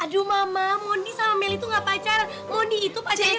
aduh mama mandi sama meli tuh nggak pacaran mandi itu pacaran